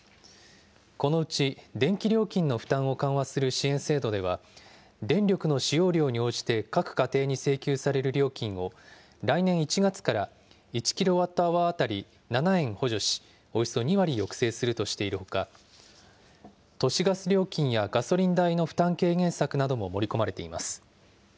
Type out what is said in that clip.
このうち電気料金の負担を緩和する支援制度では、電力の使用量に応じて各家庭に請求される料金を、来年１月から１キロワットアワー当たり７円補助し、およそ２割抑制するとしているほか、都市ガス料金やガソリン代の負担軽減策なども盛り込まれています。